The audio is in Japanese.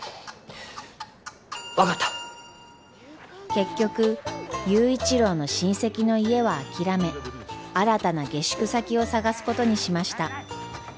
結局佑一郎の親戚の家は諦め新たな下宿先を探すことにしました。